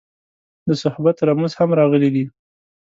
د صحبت رموز هم راغلي دي.